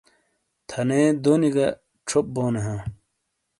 تھنے دونی کا چھوپ بونے ہاں۔